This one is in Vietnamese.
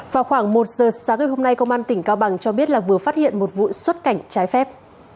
vào khoảng một giờ sáng ngày hôm nay công an tỉnh cao bằng cho biết là vừa phát hiện một vụ xuất cảnh trái phép